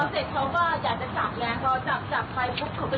และพอเสร็จเขาก็อยากจะจับแรงจับไปเค้าก็ได้เป็นยุคต้าชั่นเป็นยุคต้า